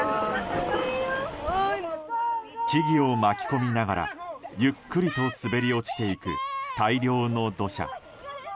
木々を巻き込みながらゆっくりと滑り落ちていく大量の土砂。